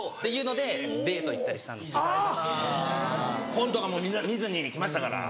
本とかも見ずにきましたから。